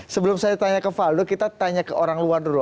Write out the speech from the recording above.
sebelum saya tanya ke valdo kita tanya ke orang luar dulu